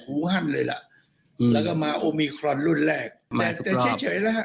หูฮั่นเลยล่ะแล้วก็มาโอมิครอนรุ่นแรกมาแต่เฉยแล้วฮะ